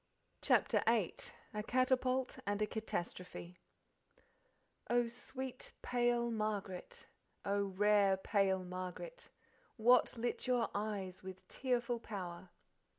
CHAPTER VIII A Catapult and a Catastrophe "Oh, sweet pale Margaret, Oh, rare pale Margaret, What lit your eyes with tearful power?"